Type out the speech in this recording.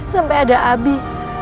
sampai ada abi